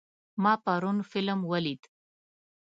ما پرون فلم ولید.